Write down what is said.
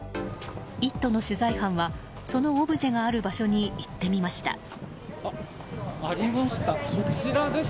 「イット！」の取材班はそのオブジェがある場所にありました。